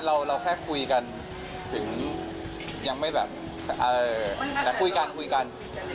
เราแค่คุยกันถึงยังไม่แบบแต่คุยกันคุยกัน